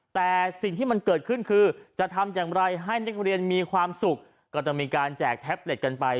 แต่สิ่งที่มันเกิดขึ้นคือจะทำอย่างไรให้นักเรียนมีความสุขก็จะมีการแจกแท็บเล็ตกันไป